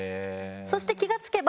そして気が付けば